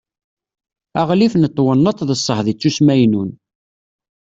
aɣlif n twennaḍt d ṣṣehd ittusmaynun